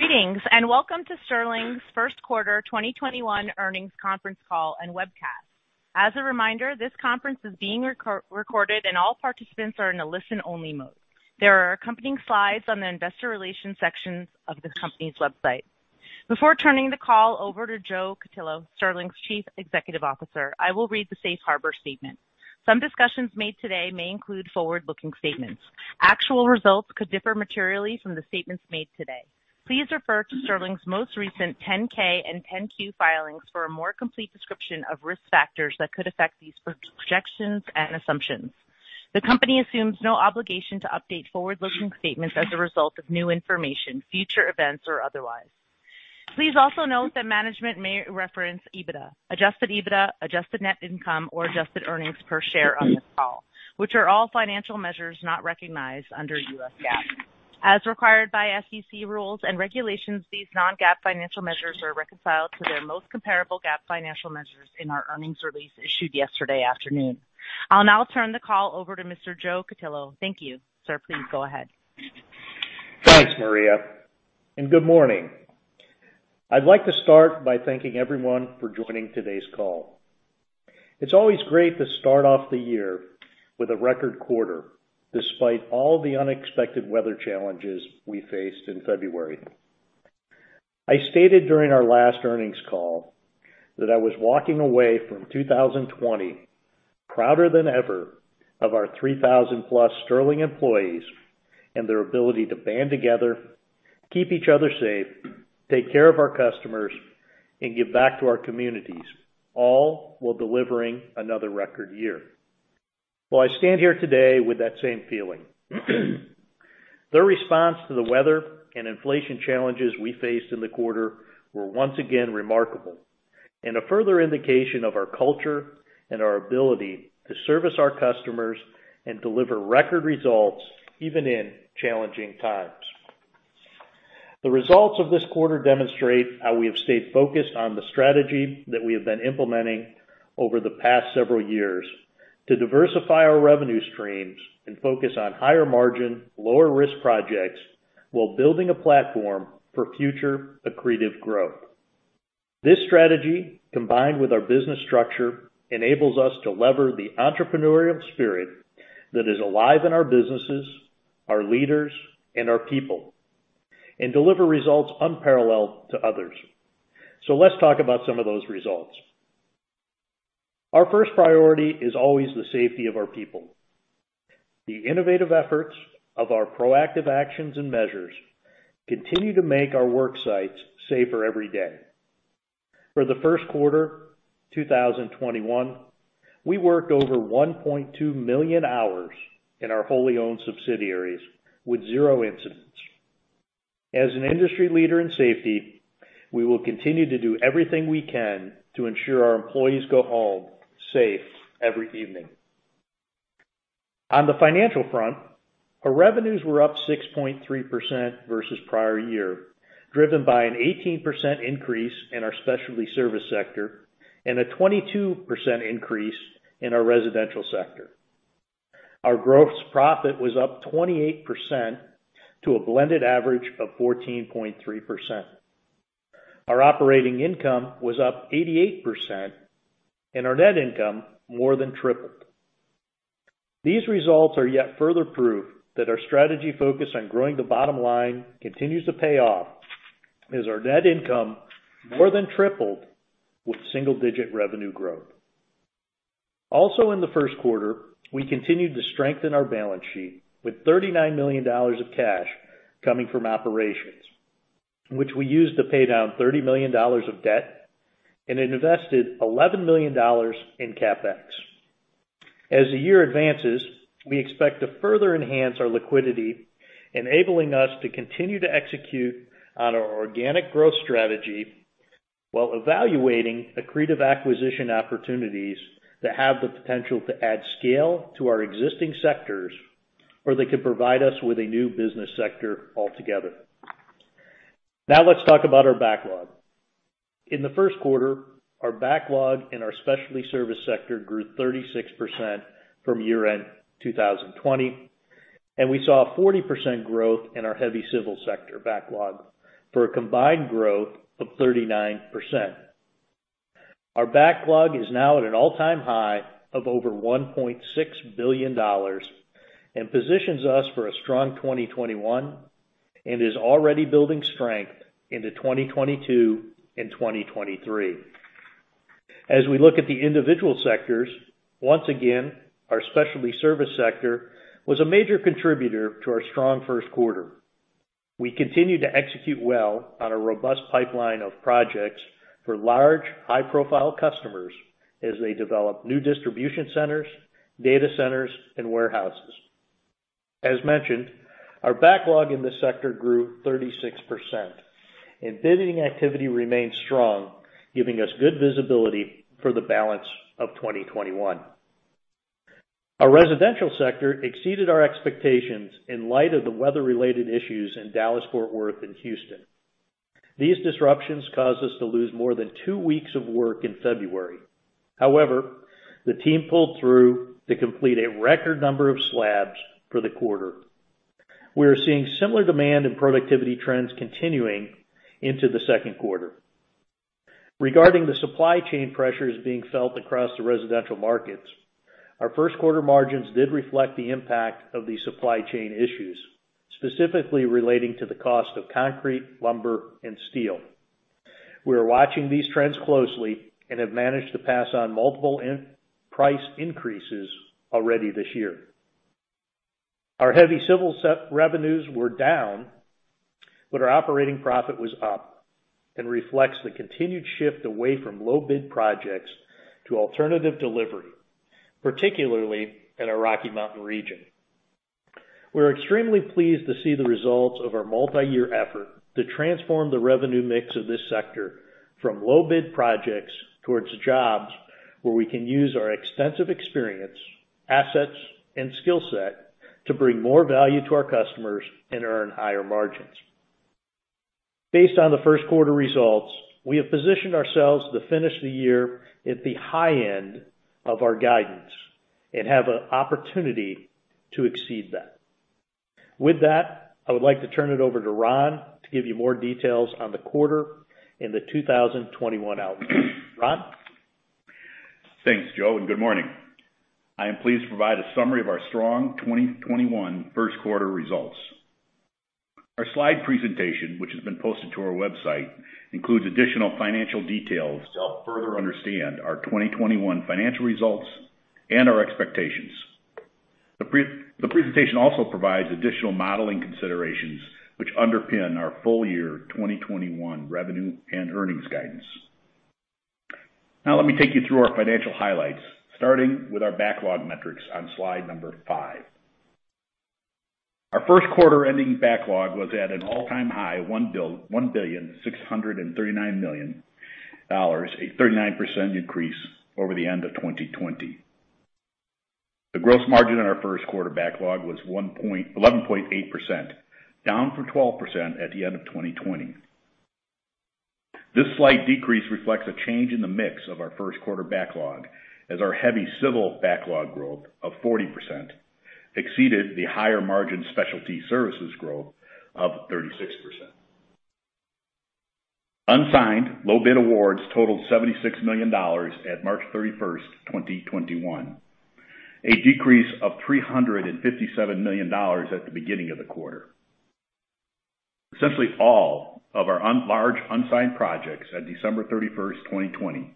Greetings, and welcome to Sterling's First Quarter 2021 Earnings Conference Call and Webcast. As a reminder, this conference is being recorded and all participants are in a listen-only mode. There are accompanying slides on the investor relations sections of the company's website. Before turning the call over to Joe Cutillo, Sterling's Chief Executive Officer, I will read the safe harbor statement. Some discussions made today may include forward-looking statements. Actual results could differ materially from the statements made today. Please refer to Sterling's most recent 10-K and 10-Q filings for a more complete description of risk factors that could affect these projections and assumptions. The company assumes no obligation to update forward-looking statements as a result of new information, future events, or otherwise. Please also note that management may reference EBITDA, adjusted EBITDA, adjusted net income, or adjusted earnings per share on this call, which are all financial measures not recognized under U.S. GAAP. As required by SEC rules and regulations, these non-GAAP financial measures are reconciled to their most comparable GAAP financial measures in our earnings release issued yesterday afternoon. I'll now turn the call over to Mr. Joe Cutillo. Thank you. Sir, please go ahead. Thanks, Maria, and good morning. I'd like to start by thanking everyone for joining today's call. It's always great to start off the year with a record quarter, despite all the unexpected weather challenges we faced in February. I stated during our last earnings call that I was walking away from 2020 prouder than ever of our 3,000+ Sterling employees and their ability to band together, keep each other safe, take care of our customers, and give back to our communities, all while delivering another record year. Well, I stand here today with that same feeling. Their response to the weather and inflation challenges we faced in the quarter were once again remarkable and a further indication of our culture and our ability to service our customers and deliver record results, even in challenging times. The results of this quarter demonstrate how we have stayed focused on the strategy that we have been implementing over the past several years to diversify our revenue streams and focus on higher margin, lower risk projects while building a platform for future accretive growth. This strategy, combined with our business structure, enables us to lever the entrepreneurial spirit that is alive in our businesses, our leaders, and our people, and deliver results unparalleled to others. Let's talk about some of those results. Our first priority is always the safety of our people. The innovative efforts of our proactive actions and measures continue to make our work sites safer every day. For the first quarter 2021, we worked over 1.2 million hours in our wholly owned subsidiaries with zero incidents. As an industry leader in safety, we will continue to do everything we can to ensure our employees go home safe every evening. On the financial front, our revenues were up 6.3% versus prior year, driven by an 18% increase in our specialty service sector and a 22% increase in our residential sector. Our gross profit was up 28% to a blended average of 14.3%. Our operating income was up 88%. Our net income more than tripled. These results are yet further proof that our strategy focus on growing the bottom line continues to pay off as our net income more than tripled with single-digit revenue growth. Also in the first quarter, we continued to strengthen our balance sheet with $39 million of cash coming from operations, which we used to pay down $30 million of debt and invested $11 million in CapEx. As the year advances, we expect to further enhance our liquidity, enabling us to continue to execute on our organic growth strategy while evaluating accretive acquisition opportunities that have the potential to add scale to our existing sectors, or they could provide us with a new business sector altogether. Let's talk about our backlog. In the first quarter, our backlog in our specialty service sector grew 36% from year-end 2020, and we saw a 40% growth in our heavy civil sector backlog for a combined growth of 39%. Our backlog is now at an all-time high of over $1.6 billion and positions us for a strong 2021 and is already building strength into 2022 and 2023. As we look at the individual sectors, once again, our specialty service sector was a major contributor to our strong first quarter. We continued to execute well on a robust pipeline of projects for large, high-profile customers as they develop new distribution centers, data centers, and warehouses. As mentioned, our backlog in this sector grew 36%, and bidding activity remains strong, giving us good visibility for the balance of 2021. Our residential sector exceeded our expectations in light of the weather-related issues in Dallas-Fort Worth, and Houston. These disruptions caused us to lose more than two weeks of work in February. However, the team pulled through to complete a record number of slabs for the quarter. We are seeing similar demand and productivity trends continuing into the second quarter. Regarding the supply chain pressures being felt across the residential markets, our first quarter margins did reflect the impact of the supply chain issues, specifically relating to the cost of concrete, lumber, and steel. We are watching these trends closely and have managed to pass on multiple price increases already this year. Our heavy civil revenues were down, but our operating profit was up and reflects the continued shift away from low bid projects to alternative delivery, particularly in our Rocky Mountain region. We're extremely pleased to see the results of our multi-year effort to transform the revenue mix of this sector from low bid projects towards jobs where we can use our extensive experience, assets, and skill set to bring more value to our customers and earn higher margins. Based on the first quarter results, we have positioned ourselves to finish the year at the high end of our guidance and have an opportunity to exceed that. With that, I would like to turn it over to Ron to give you more details on the quarter and the 2021 outlook. Ron? Thanks, Joe, and good morning. I am pleased to provide a summary of our strong 2021 first quarter results. Our slide presentation, which has been posted to our website, includes additional financial details to help further understand our 2021 financial results and our expectations. The presentation also provides additional modeling considerations, which underpin our full-year 2021 revenue and earnings guidance. Let me take you through our financial highlights, starting with our backlog metrics on slide number five. Our first quarter ending backlog was at an all-time high of $1.639 billion, a 39% increase over the end of 2020. The gross margin on our first quarter backlog was 11.8%, down from 12% at the end of 2020. This slight decrease reflects a change in the mix of our first quarter backlog as our heavy civil backlog growth of 40% exceeded the higher margin specialty services growth of 36%. Unsigned low bid awards totaled $76 million at March 31st, 2021, a decrease of $357 million at the beginning of the quarter. Essentially all of our large unsigned projects at December 31st, 2020,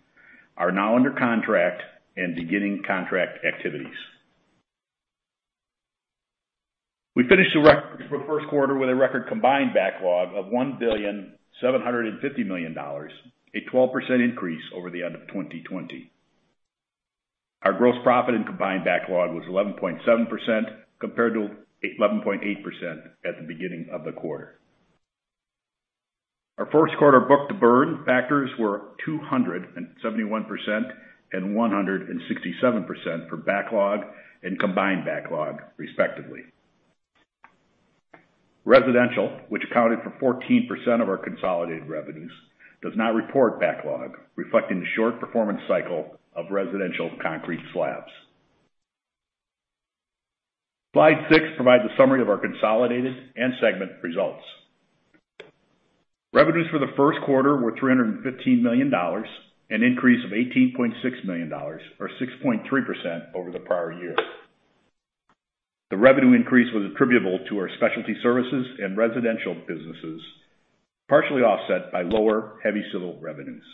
are now under contract and beginning contract activities. We finished the first quarter with a record combined backlog of $1.75 billion, a 12% increase over the end of 2020. Our gross profit in combined backlog was 11.7%, compared to 11.8% at the beginning of the quarter. Our first quarter book-to-burn factors were 271% and 167% for backlog and combined backlog, respectively. Residential, which accounted for 14% of our consolidated revenues, does not report backlog, reflecting the short performance cycle of residential concrete slabs. Slide six provides a summary of our consolidated and segment results. Revenues for the first quarter were $315 million, an increase of $18.6 million, or 6.3% over the prior year. The revenue increase was attributable to our specialty services and residential businesses, partially offset by lower heavy civil revenues.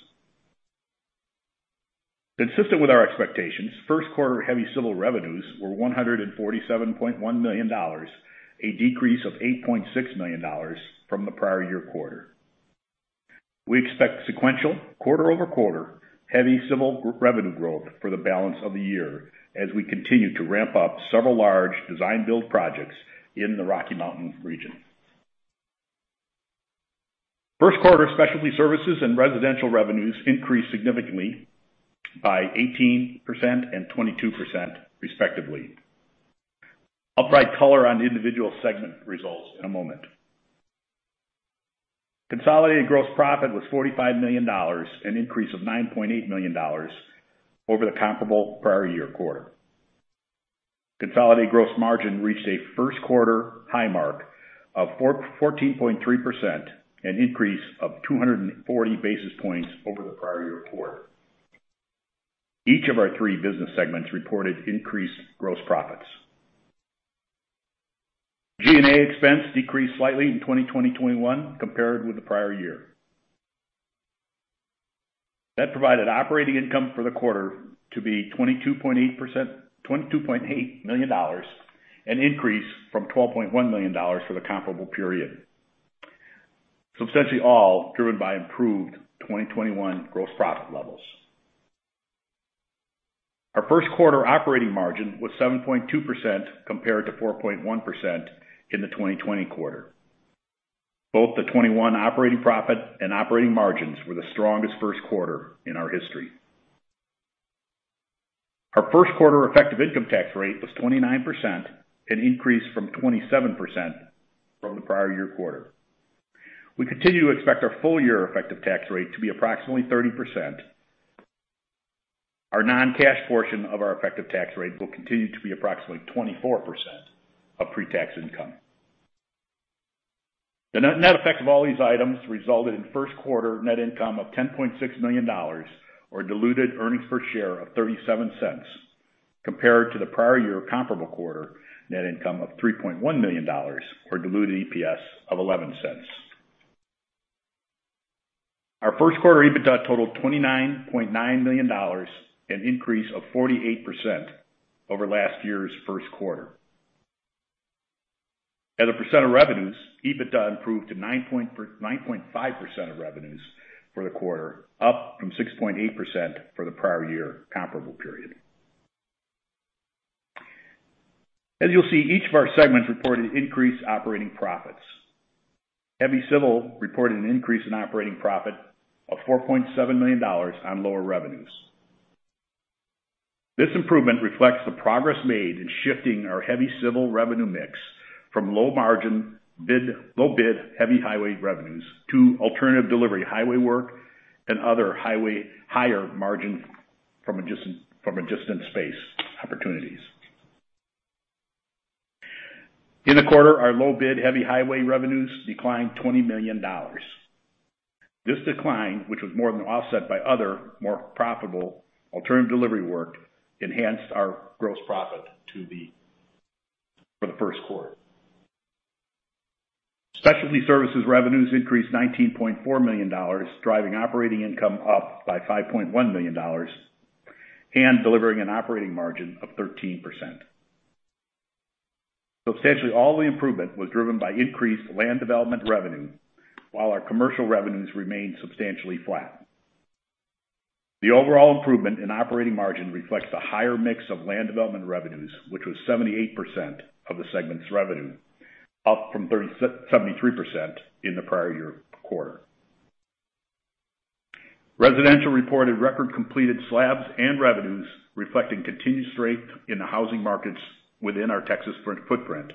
Consistent with our expectations, first quarter heavy civil revenues were $147.1 million, a decrease of $8.6 million from the prior year quarter. We expect sequential quarter-over-quarter heavy civil revenue growth for the balance of the year as we continue to ramp up several large design-build projects in the Rocky Mountain region. First quarter specialty services and residential revenues increased significantly by 18% and 22%, respectively. I'll provide color on the individual segment results in a moment. Consolidated gross profit was $45 million, an increase of $9.8 million over the comparable prior year quarter. Consolidated gross margin reached a first quarter high mark of 14.3%, an increase of 240 basis points over the prior year quarter. Each of our three business segments reported increased gross profits. G&A expense decreased slightly in 2020/2021 compared with the prior year. That provided operating income for the quarter to be $22.8 million, an increase from $12.1 million for the comparable period, substantially all driven by improved 2021 gross profit levels. Our first quarter operating margin was 7.2% compared to 4.1% in the 2020 quarter. Both the 2021 operating profit and operating margins were the strongest first quarter in our history. Our first quarter effective income tax rate was 29%, an increase from 27% from the prior year quarter. We continue to expect our full-year effective tax rate to be approximately 30%. Our non-cash portion of our effective tax rate will continue to be approximately 24% of pre-tax income. The net effect of all these items resulted in first quarter net income of $10.6 million, or diluted earnings per share of $0.37, compared to the prior year comparable quarter net income of $3.1 million or diluted EPS of $0.11. Our first quarter EBITDA totaled $29.9 million, an increase of 48% over last year's first quarter. As a percent of revenues, EBITDA improved to 9.5% of revenues for the quarter, up from 6.8% for the prior year comparable period. As you'll see, each of our segments reported increased operating profits. Heavy Civil reported an increase in operating profit of $4.7 million on lower revenues. This improvement reflects the progress made in shifting our heavy civil revenue mix from low bid, heavy highway revenues to alternative delivery highway work and other higher margin from adjacent space opportunities. In the quarter, our low bid heavy highway revenues declined $20 million. This decline, which was more than offset by other, more profitable alternative delivery work, enhanced our gross profit for the first quarter. Specialty Services revenues increased $19.4 million, driving operating income up by $5.1 million and delivering an operating margin of 13%. Substantially all the improvement was driven by increased land development revenue while our commercial revenues remained substantially flat. The overall improvement in operating margin reflects the higher mix of land development revenues, which was 78% of the segment's revenue, up from 73% in the prior year quarter. Residential reported record-completed slabs and revenues reflecting continued strength in the housing markets within our Texas footprint,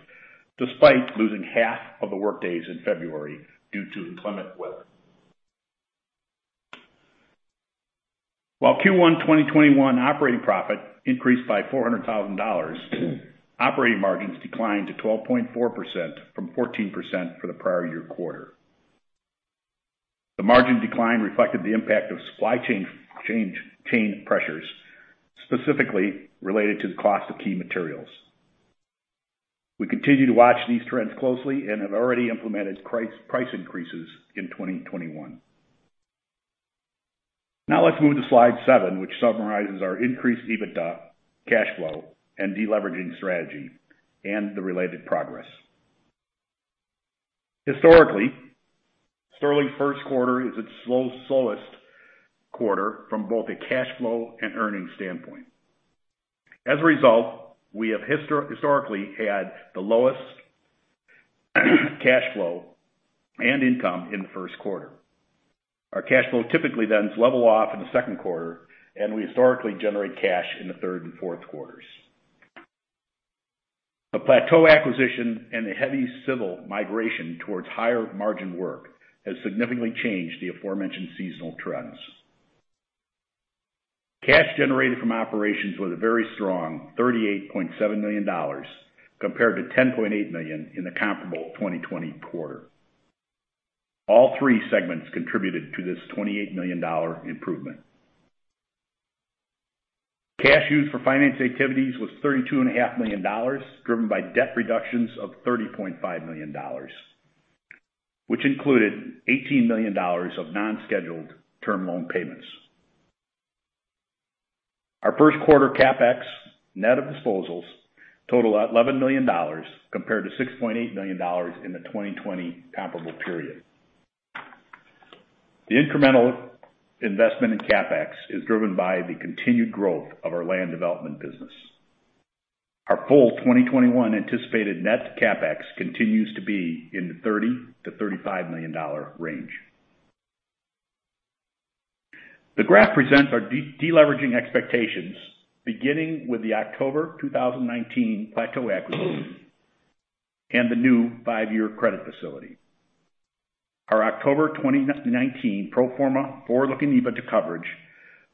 despite losing half of the workdays in February due to inclement weather. While Q1 2021 operating profit increased by $400,000, operating margins declined to 12.4% from 14% for the prior year quarter. The margin decline reflected the impact of supply chain pressures, specifically related to the cost of key materials. We continue to watch these trends closely and have already implemented price increases in 2021. Now let's move to slide seven, which summarizes our increased EBITDA, cash flow and deleveraging strategy and the related progress. Historically, Sterling's first quarter is its slowest quarter from both a cash flow and earnings standpoint. As a result, we have historically had the lowest cash flow and income in the first quarter. Our cash flow typically then level off in the second quarter, and we historically generate cash in the third and fourth quarters. The Plateau acquisition and the Heavy Civil migration towards higher margin work has significantly changed the aforementioned seasonal trends. Cash generated from operations was a very strong $38.7 million compared to $10.8 million in the comparable 2020 quarter. All three segments contributed to this $28 million improvement. Cash used for finance activities was $32.5 million, driven by debt reductions of $30.5 million, which included $18 million of non-scheduled term loan payments. Our first quarter CapEx net of disposals totaled $11 million, compared to $6.8 million in the 2020 comparable period. The incremental investment in CapEx is driven by the continued growth of our land development business. Our full 2021 anticipated net CapEx continues to be in the $30 million to $35 million range. The graph presents our de-leveraging expectations beginning with the October 2019 Plateau acquisition and the new five-year credit facility. Our October 2019 pro forma forward-looking EBITDA coverage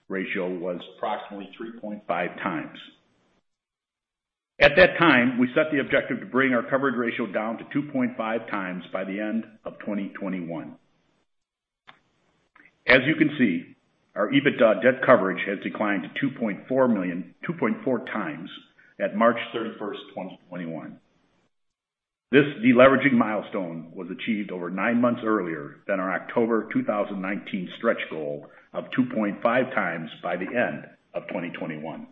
ratio was approximately 3.5x. At that time, we set the objective to bring our coverage ratio down to 2.5x by the end of 2021. As you can see, our EBITDA debt coverage has declined to 2.4x at March 31st, 2021. This deleveraging milestone was achieved over nine months earlier than our October 2019 stretch goal of 2.5x by the end of 2021.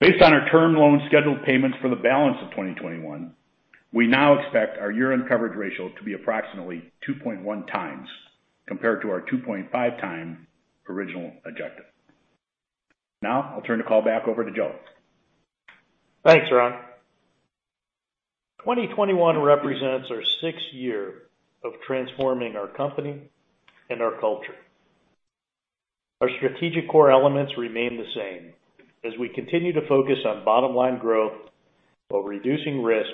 Based on our term loan scheduled payments for the balance of 2021, we now expect our year-end coverage ratio to be approximately 2.1x compared to our 2.5x original objective. Now, I'll turn the call back over to Joe. Thanks, Ron. 2021 represents our sixth year of transforming our company and our culture. Our strategic core elements remain the same as we continue to focus on bottom-line growth while reducing risk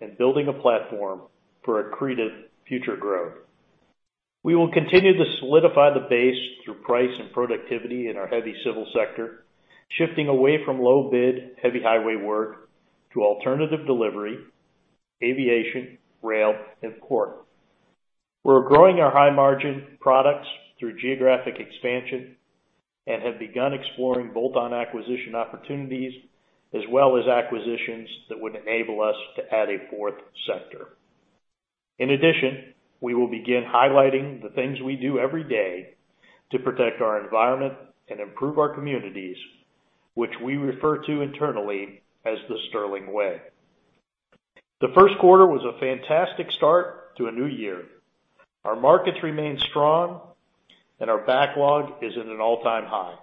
and building a platform for accretive future growth. We will continue to solidify the base through price and productivity in our heavy civil sector, shifting away from low bid, heavy highway work to alternative delivery, aviation, rail, and port. We're growing our high-margin products through geographic expansion and have begun exploring bolt-on acquisition opportunities, as well as acquisitions that would enable us to add a fourth sector. In addition, we will begin highlighting the things we do every day to protect our environment and improve our communities, which we refer to internally as The Sterling Way. The first quarter was a fantastic start to a new year. Our markets remain strong, and our backlog is at an all-time high.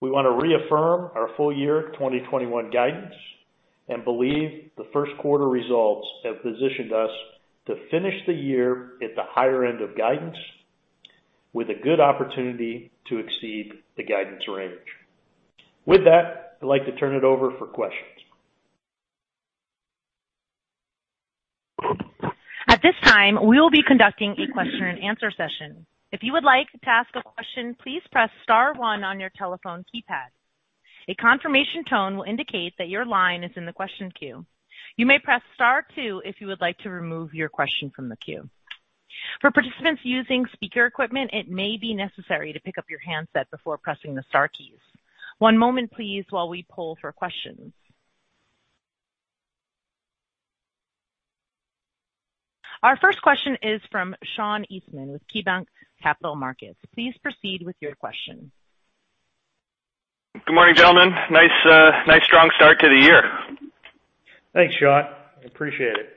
We want to reaffirm our full-year 2021 guidance and believe the first quarter results have positioned us to finish the year at the higher end of guidance with a good opportunity to exceed the guidance range. With that, I'd like to turn it over for questions. Our first question is from Sean Eastman with KeyBanc Capital Markets. Please proceed with your question. Good morning, gentlemen. Nice strong start to the year. Thanks, Sean. Appreciate it.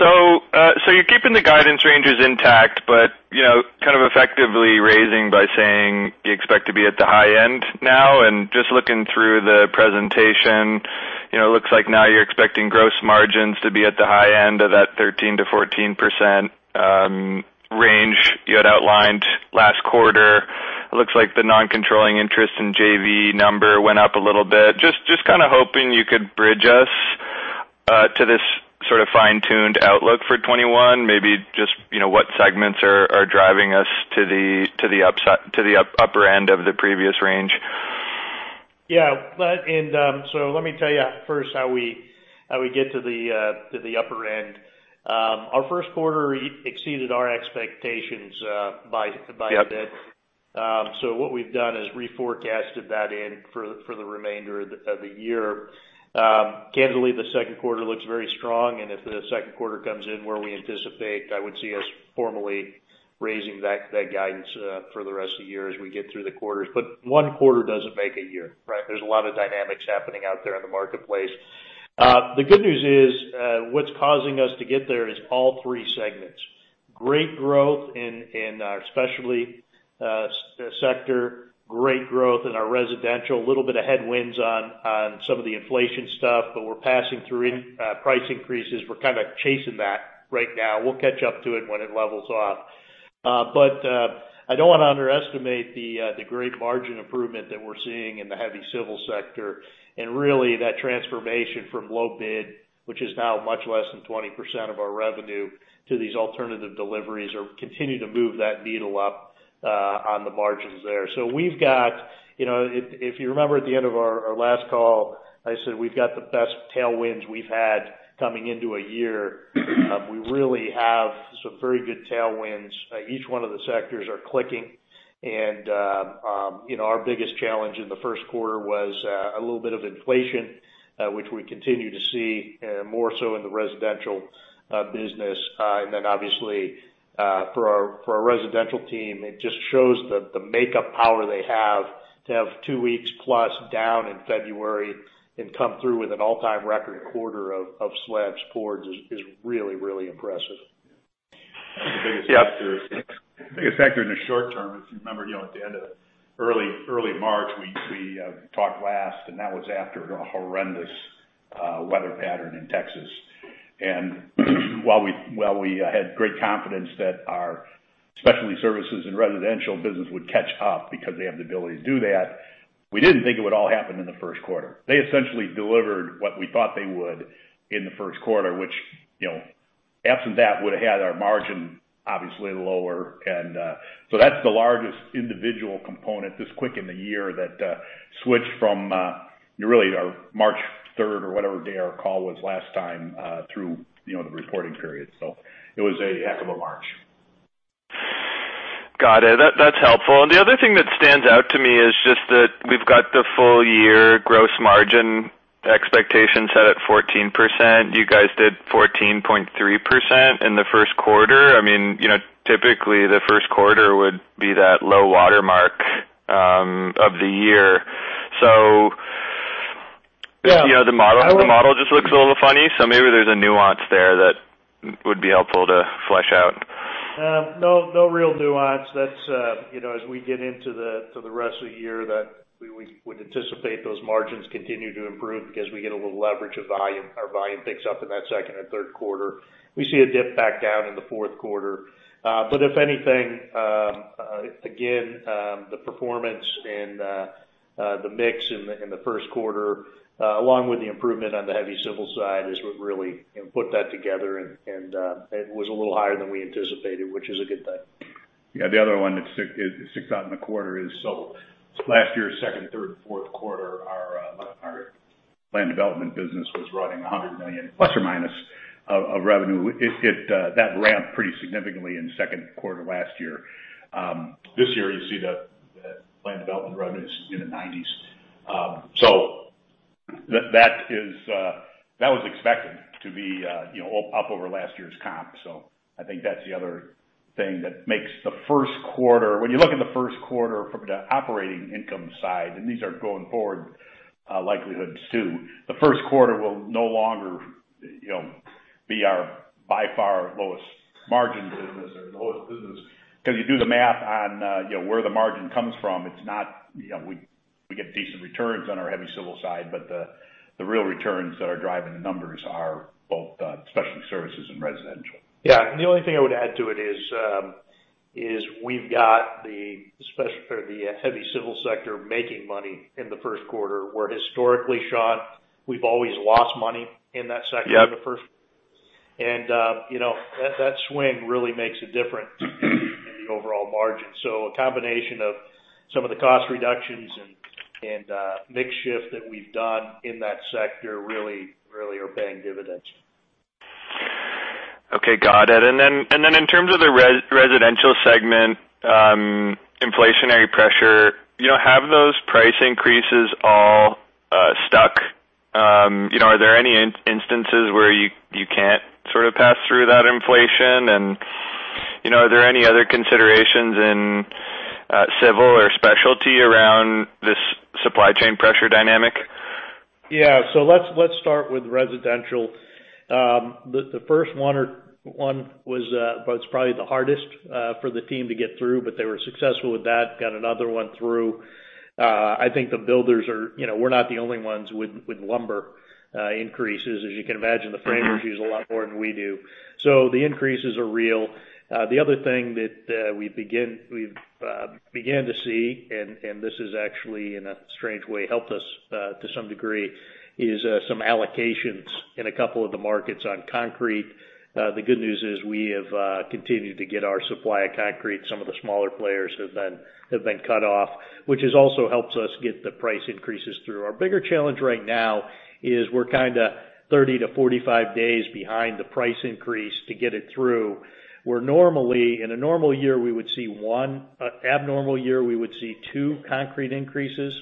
You're keeping the guidance ranges intact, but kind of effectively raising by saying you expect to be at the high end now. Just looking through the presentation, it looks like now you're expecting gross margins to be at the high end of that 13%-14% range you had outlined last quarter. It looks like the non-controlling interest in JV number went up a little bit. Just kind of hoping you could bridge us to this sort of fine-tuned outlook for 2021, maybe just what segments are driving us to the upper end of the previous range. Yeah. Let me tell you first how we get to the upper end. Our first quarter exceeded our expectations by a bit. Yep. What we've done is reforecasted that in for the remainder of the year. Candidly, the second quarter looks very strong, and if the second quarter comes in where we anticipate, I would see us formally raising that guidance for the rest of the year as we get through the quarters. One quarter doesn't make a year, right? There's a lot of dynamics happening out there in the marketplace. The good news is, what's causing us to get there is all three segments. Great growth in our specialty sector, great growth in our residential. A little bit of headwinds on some of the inflation stuff, but we're passing through price increases. We're kind of chasing that right now. We'll catch up to it when it levels off. I don't want to underestimate the great margin improvement that we're seeing in the heavy civil sector, and really that transformation from low bid, which is now much less than 20% of our revenue to these alternative deliveries, are continuing to move that needle up on the margins there. If you remember at the end of our last call, I said we've got the best tailwinds we've had coming into a year. We really have some very good tailwinds. Each one of the sectors are clicking, and our biggest challenge in the first quarter was a little bit of inflation, which we continue to see more so in the residential business. Obviously, for our residential team, it just shows the makeup power they have to have two weeks plus down in February and come through with an all-time record quarter of slabs poured is really impressive. The biggest factor in the short term, if you remember at the end of early March, we talked last. That was after a horrendous weather pattern in Texas. While we had great confidence that our specialty services and residential business would catch up because they have the ability to do that, we didn't think it would all happen in the first quarter. They essentially delivered what we thought they would in the first quarter, which absent that, would have had our margin obviously lower. That's the largest individual component this quick in the year that switched from really March 3rd or whatever day our call was last time through the reporting period. It was a heck of a March. Got it. That's helpful. The other thing that stands out to me is just that we've got the full-year gross margin expectation set at 14%. You guys did 14.3% in the first quarter. Typically, the first quarter would be that low water mark of the year. The model just looks a little funny. Maybe there's a nuance there that would be helpful to flesh out. No real nuance. As we get into the rest of the year, we would anticipate those margins continue to improve because we get a little leverage of volume. Our volume picks up in that second and third quarter. We see a dip back down in the fourth quarter. But if anything, again, the performance and the mix in the first quarter, along with the improvement on the heavy civil side, is what really put that together, and it was a little higher than we anticipated, which is a good thing. Yeah. The other one that sticks out in the quarter is last year, second, third, fourth quarter, our land development business was running $100 million, plus or minus, of revenue. That ramped pretty significantly in the second quarter of last year. This year, you see the land development revenues in the 90s. That was expected to be up over last year's comp. I think that's the other thing. When you look at the first quarter from the operating income side, and these are going forward likelihoods too, the first quarter will no longer be our, by far, lowest margin business or lowest business. You do the math on where the margin comes from, we get decent returns on our heavy civil side, but the real returns that are driving the numbers are both specialty services and residential. The only thing I would add to it is we've got the heavy civil sector making money in the first quarter, where historically, Sean, we've always lost money in that sector. Yep In the first quarter. That swing really makes a difference in the overall margin. A combination of some of the cost reductions and mix shift that we've done in that sector really are paying dividends. Okay, got it. In terms of the residential segment, inflationary pressure, have those price increases all stuck? Are there any instances where you can't pass through that inflation? Are there any other considerations in civil or specialty around this supply chain pressure dynamic? Yeah. Let's start with residential. The first one was probably the hardest for the team to get through, but they were successful with that, got another one through. I think the builders, we're not the only ones with lumber increases. As you can imagine, the framers use a lot more than we do. The increases are real. The other thing that we've began to see, and this has actually, in a strange way, helped us to some degree, is some allocations in a couple of the markets on concrete. The good news is we have continued to get our supply of concrete. Some of the smaller players have been cut off, which has also helped us get the price increases through. Our bigger challenge right now is we're kind of 30-45 days behind the price increase to get it through, where normally, in a normal year, we would see one abnormal year, we would see two concrete increases.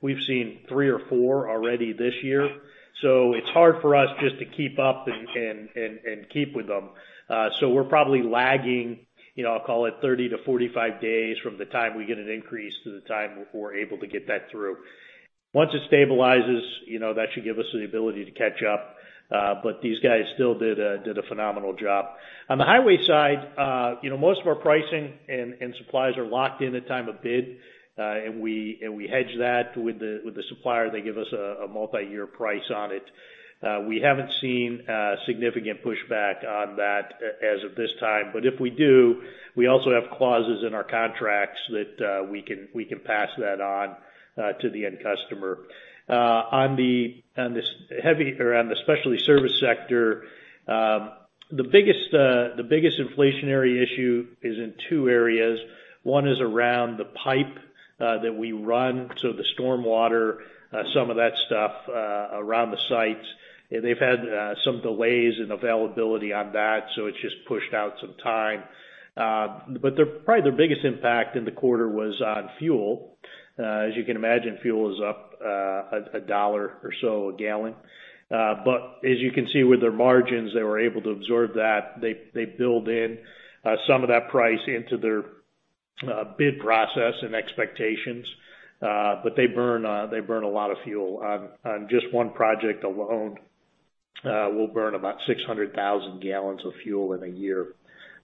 We've seen three or four already this year. It's hard for us just to keep up and keep with them. We're probably lagging, I'll call it 30-45 days from the time we get an increase to the time we're able to get that through. Once it stabilizes, that should give us the ability to catch up. These guys still did a phenomenal job. On the highway side, most of our pricing and supplies are locked in at time of bid. We hedge that with the supplier. They give us a multi-year price on it. We haven't seen significant pushback on that as of this time. If we do, we also have clauses in our contracts that we can pass that on to the end customer. On the specialty service sector, the biggest inflationary issue is in two areas. One is around the pipe that we run, so the storm water, some of that stuff around the sites. They've had some delays in availability on that, so it's just pushed out some time. Probably their biggest impact in the quarter was on fuel. As you can imagine, fuel is up $1 or so a gallon. As you can see with their margins, they were able to absorb that. They build in some of that price into their bid process and expectations. They burn a lot of fuel. On just one project alone, we'll burn about 600,000 gallons of fuel in a year.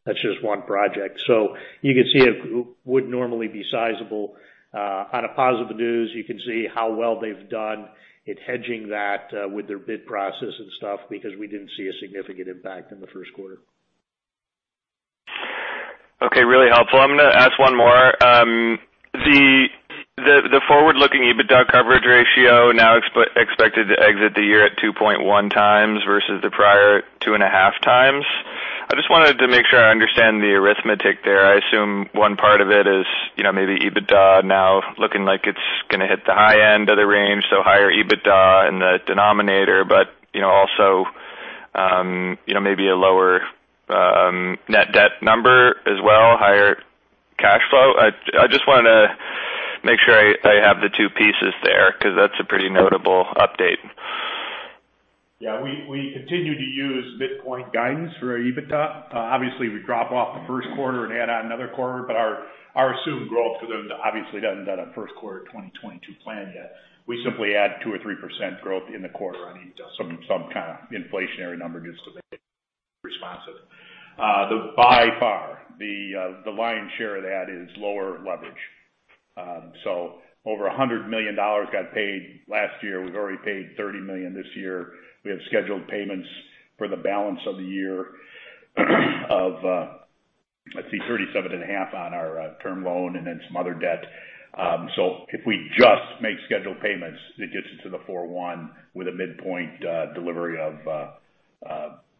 That's just one project. You can see it would normally be sizable. On a positive news, you can see how well they've done in hedging that with their bid process and stuff, because we didn't see a significant impact in the first quarter. Okay. Really helpful. I'm going to ask one more. The forward-looking EBITDA coverage ratio now expected to exit the year at 2.1x versus the prior 2.5x. I just wanted to make sure I understand the arithmetic there. I assume one part of it is maybe EBITDA now looking like it's going to hit the high end of the range, so higher EBITDA in the denominator. Also maybe a lower net debt number as well, higher cash flow. I just wanted to make sure I have the two pieces there, because that's a pretty notable update. Yeah. We continue to use midpoint guidance for our EBITDA. Obviously, we drop off the first quarter and add on another quarter, but our assumed growth, because obviously it hasn't done a first quarter 2022 plan yet. We simply add 2% or 3% growth in the quarter on some kind of inflationary number. Responsive. By far, the lion's share of that is lower leverage. Over $100 million got paid last year. We've already paid $30 million this year. We have scheduled payments for the balance of the year of, let's see, 37 and a half on our term loan and then some other debt. If we just make scheduled payments, it gets it to the 4.1 with a midpoint delivery of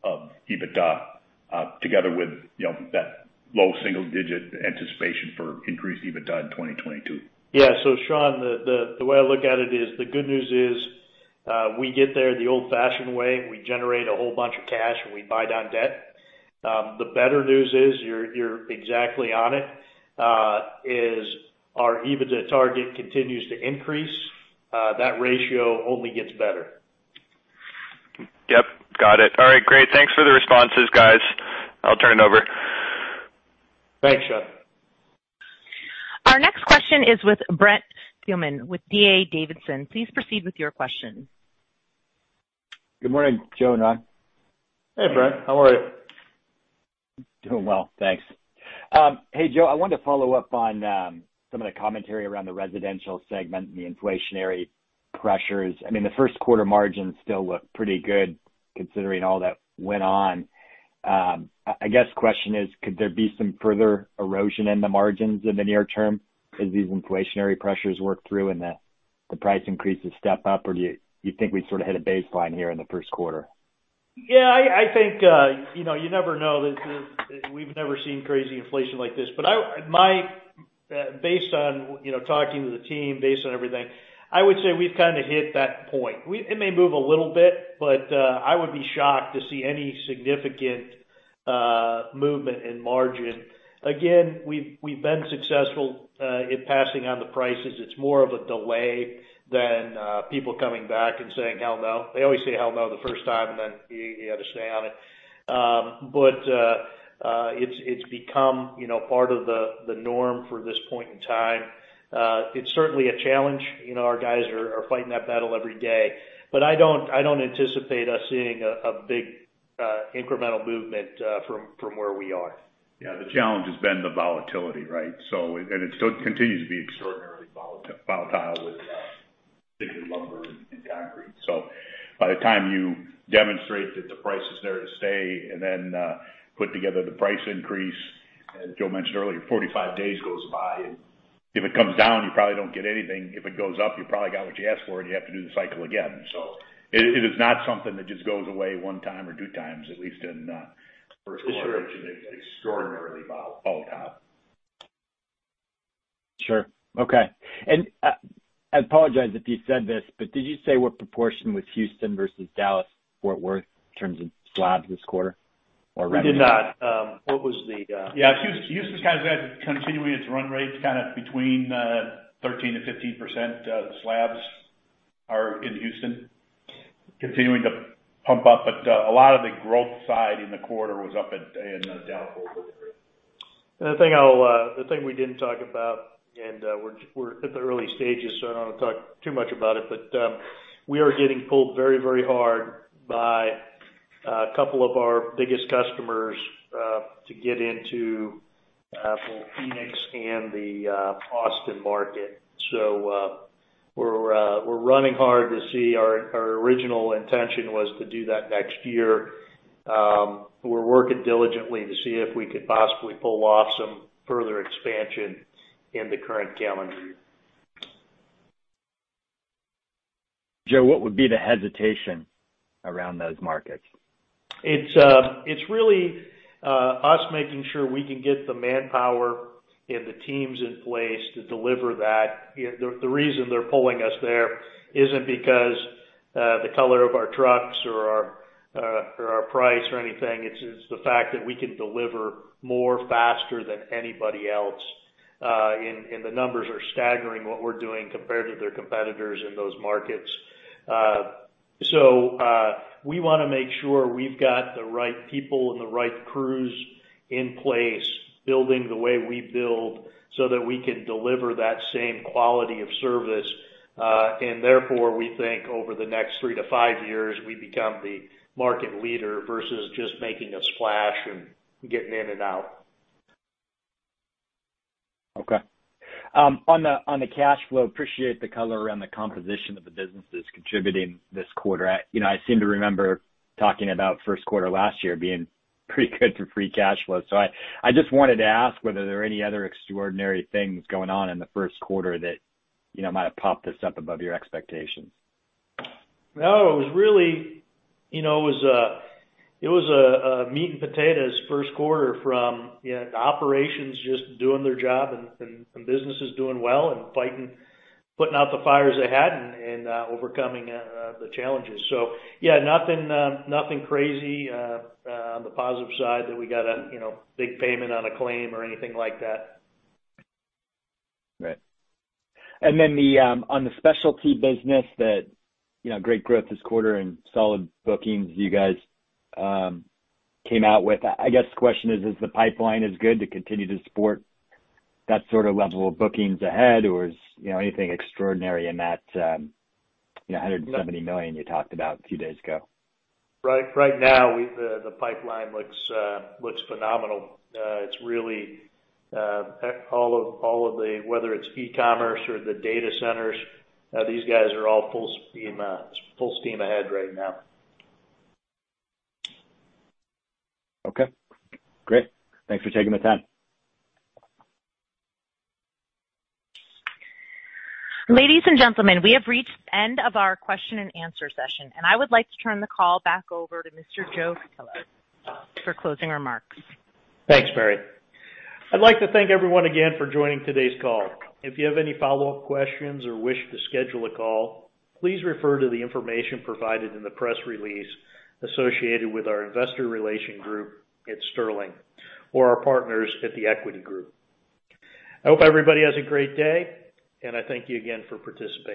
EBITDA together with that low single-digit anticipation for increased EBITDA in 2022. Yeah. Sean, the way I look at it is, the good news is we get there the old-fashioned way. We generate a whole bunch of cash, and we buy down debt. The better news is, you're exactly on it, is our EBITDA target continues to increase. That ratio only gets better. Yep, got it. All right. Great. Thanks for the responses, guys. I'll turn it over. Thanks, Sean. Our next question is with Brent Thielman with D.A. Davidson. Please proceed with your question. Good morning, Joe and Ron. Hey, Brent. How are you? Doing well, thanks. Hey, Joe, I wanted to follow up on some of the commentary around the residential segment and the inflationary pressures. I mean, the first quarter margins still look pretty good considering all that went on. I guess the question is, could there be some further erosion in the margins in the near term as these inflationary pressures work through and the price increases step up, or do you think we sort of hit a baseline here in the first quarter? Yeah, I think you never know. We've never seen crazy inflation like this. Based on talking to the team, based on everything, I would say we've kind of hit that point. It may move a little bit, but I would be shocked to see any significant movement in margin. Again, we've been successful in passing on the prices. It's more of a delay than people coming back and saying, "Hell no." They always say hell no the first time, and then you have to stay on it. It's become part of the norm for this point in time. It's certainly a challenge. Our guys are fighting that battle every day. I don't anticipate us seeing a big incremental movement from where we are. Yeah. The challenge has been the volatility, right? It still continues to be extraordinarily volatile with sticky lumber and concrete. By the time you demonstrate that the price is there to stay and then put together the price increase, as Joe mentioned earlier, 45 days goes by. If it comes down, you probably don't get anything. If it goes up, you probably got what you asked for, and you have to do the cycle again. It is not something that just goes away one time or two times, at least in the first quarter. Sure. It's extraordinarily volatile. Sure. Okay. I apologize if you said this, but did you say what proportion was Houston versus Dallas-Fort Worth in terms of slabs this quarter or revenue? We did not. Yeah. Houston kind of continuing its run rates, kind of between 13%-15% slabs are in Houston. Continuing to pump up, but a lot of the growth side in the quarter was up in Dallas-Fort Worth. The thing we didn't talk about, and we're at the early stages, so I don't want to talk too much about it, but we are getting pulled very hard by a couple of our biggest customers to get into both Phoenix and the Austin market. We're running hard to see. Our original intention was to do that next year. We're working diligently to see if we could possibly pull off some further expansion in the current calendar year. Joe, what would be the hesitation around those markets? It's really us making sure we can get the manpower and the teams in place to deliver that. The reason they're pulling us there isn't because the color of our trucks or our price or anything. It's the fact that we can deliver more faster than anybody else. The numbers are staggering, what we're doing compared to their competitors in those markets. We want to make sure we've got the right people and the right crews in place, building the way we build, so that we can deliver that same quality of service. Therefore, we think over the next three to five years, we become the market leader versus just making a splash and getting in and out. Okay. On the cash flow, appreciate the color around the composition of the businesses contributing this quarter. I seem to remember talking about first quarter last year being pretty good for free cash flow. I just wanted to ask whether there are any other extraordinary things going on in the first quarter that might have popped this up above your expectations. No. It was a meat and potatoes first quarter from operations just doing their job and businesses doing well and fighting, putting out the fires they had and overcoming the challenges. yeah, nothing crazy on the positive side that we got a big payment on a claim or anything like that. Right. On the specialty business that great growth this quarter and solid bookings you guys came out with, I guess the question is the pipeline as good to continue to support that sort of level of bookings ahead, or is anything extraordinary in that $170 million you talked about a few days ago? Right now, the pipeline looks phenomenal. Whether it's e-commerce or the data centers, these guys are all full steam ahead right now. Okay, great. Thanks for taking the time. Ladies and gentlemen, we have reached the end of our question-and-answer session, and I would like to turn the call back over to Mr. Joseph A. Cutillo for closing remarks. Thanks, Mary. I'd like to thank everyone again for joining today's call. If you have any follow-up questions or wish to schedule a call, please refer to the information provided in the press release associated with our investor relations group at Sterling or our partners at The Equity Group. I hope everybody has a great day, and I thank you again for participating.